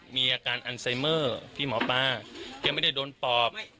มีอาการอันไซเมอร์ที่หมอปลายังไม่ได้โดนปอบ